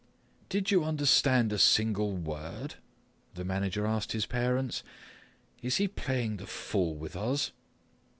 "Did you understood a single word?" the manager asked the parents, "Is he playing the fool with us?"